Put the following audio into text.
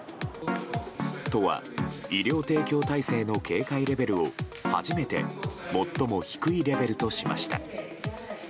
都は医療提供体制の警戒レベルを初めて最も低いレベルとしました。